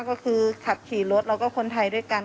ก็คือขับขี่รถแล้วก็คนไทยด้วยกัน